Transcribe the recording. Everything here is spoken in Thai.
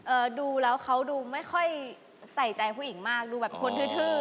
เออดูแล้วเค้าดูไม่ค่อยใส่ใจผู้หญิงมากดูแบบคนธื้อ